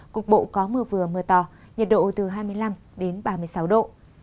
cục bộ có mưa vừa mưa to nhiệt độ từ hai mươi năm đến ba mươi sáu độ